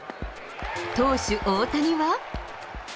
投手、大谷は。